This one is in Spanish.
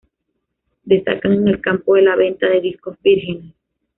Destaca en el campo de la venta de discos vírgenes.